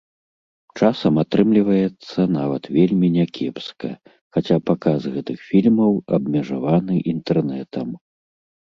Часам атрымліваецца нават вельмі не кепска, хаця паказ гэтых фільмаў абмежаваны інтэрнэтам.